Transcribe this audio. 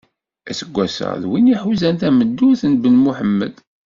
Aseggas-a, d win iḥuzan tameddurt n Ben Muḥemed.